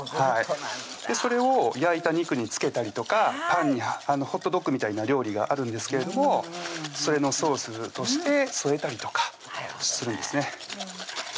それを焼いた肉に付けたりとかパンにホットドッグみたいな料理があるんですけれどもそれのソースとして添えたりとかするんですね